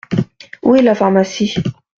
Où est la pharmacie ?